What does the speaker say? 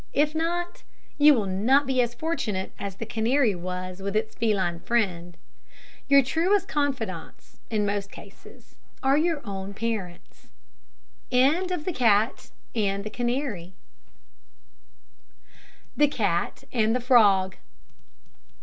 If not, you will not be as fortunate as the canary was with its feline friend. Your truest confidants, in most cases, are your own parents. THE CAT AND THE FROG.